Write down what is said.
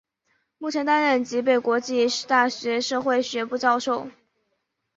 目前担任吉备国际大学社会学部教授。